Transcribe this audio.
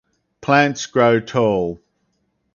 Plants grow tall.